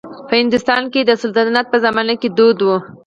په هندوستان کې د سلطنت په زمانه کې دود و.